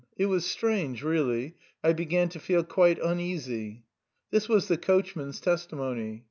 It was strange, really; I began to feel quite uneasy." This was the coachman's testimony.